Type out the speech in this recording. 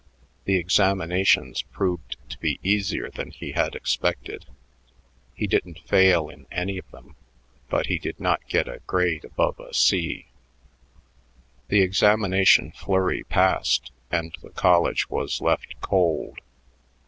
The examinations proved to be easier than he had expected; he didn't fail in any of them, but he did not get a grade above a C. The examination flurry passed, and the college was left cold.